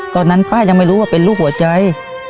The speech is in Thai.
ตอนนั้นป้ายังไม่รู้ว่าเป็นลูกหัวใจ